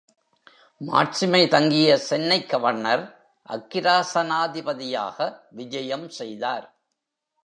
மாட்சிமை தங்கிய சென்னைக் கவர்னர் அக்கிராசனாதிபதியாக விஜயம் செய்தார்.